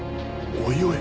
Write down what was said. おおいおい？